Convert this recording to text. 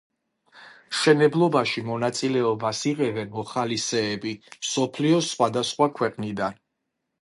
მშენებლობაში მონაწილეობას იღებენ მოხალისეები მსოფლიოს სხვადასხვა ქვეყნიდან.